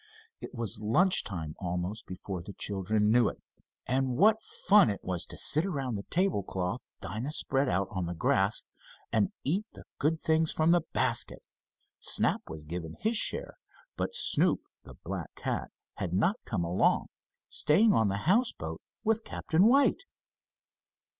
It was lunch time almost before the children knew it, and what fun it was to sit around the table cloth Dinah spread out on the grass, and eat the good things from the basket. Snap was given his share, but Snoop, the black cat, had not come along, staying on the houseboat with Captain White.